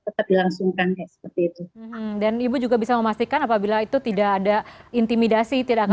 tetap dilangsungkan seperti itu dan ibu juga bisa memastikan apabila itu tidak ada intimidasi tidak akan